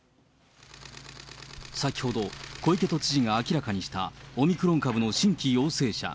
先ほど、小池都知事が明らかにしたオミクロン株の新規陽性者。